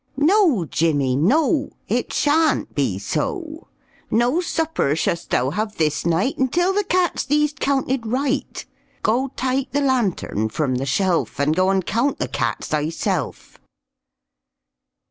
"No, Jimmy, no! It shaan't be so; No supper shu'st thou have this night Until the cats thee'st counted right; Go taake the lantern from the shelf, And go and count the cats thyself."